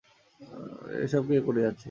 এ-সব কে করিয়াছে?